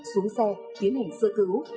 xuống xe tiến hành sợ cứu